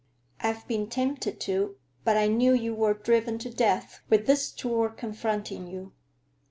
"I've been tempted to, but I knew you were driven to death, with this tour confronting you."